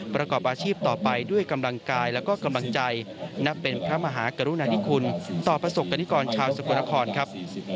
ประกอบอาชีพต่อไปด้วยกำลังกายและก็กำลังใจนับเป็นพระมหากรุณาธิคุณต่อประสบกรณิกรชาวสกลนครครับ